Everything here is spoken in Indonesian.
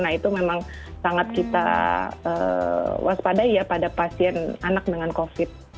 nah itu memang sangat kita waspadai ya pada pasien anak dengan covid